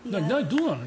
どうなの？